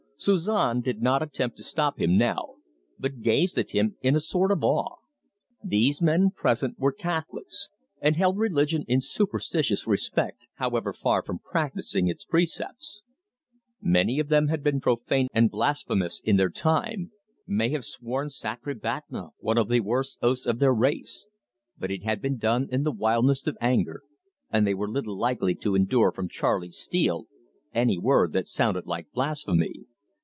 Suzon did not attempt to stop him now, but gazed at him in a sort of awe. These men present were Catholics, and held religion in superstitious respect, however far from practising its precepts. Many of them had been profane and blasphemous in their time; may have sworn "sacre bapteme!" one of the worst oaths of their race; but it had been done in the wildness of anger, and they were little likely to endure from Charley Steele any word that sounded like blasphemy.